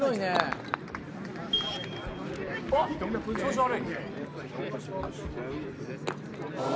あっ調子悪いね。